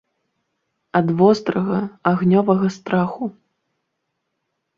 Ад вострага, агнёвага страху.